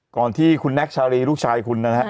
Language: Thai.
ก่อนที่คุณแน็กชาลีลูกชายคุณนะฮะ